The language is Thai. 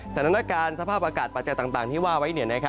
สถานการณ์สภาพอากาศปัจจัยต่างที่ว่าไว้